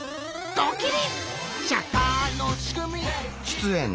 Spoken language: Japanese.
ドキリ！